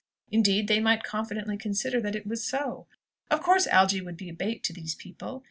Indeed, they might confidently consider that it was so. Of course Algy would be a bait to these people!